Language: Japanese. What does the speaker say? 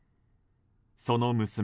その娘